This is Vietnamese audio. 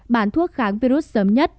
bán thuốc kháng virus sớm nhất